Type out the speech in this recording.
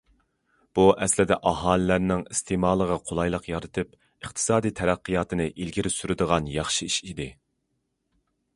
بۇ ئەسلىدە ئاھالىلەرنىڭ ئىستېمالىغا قولايلىق يارىتىپ، ئىقتىسادىي تەرەققىياتنى ئىلگىرى سۈرىدىغان ياخشى ئىش ئىدى.